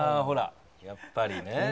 「ほらやっぱりね」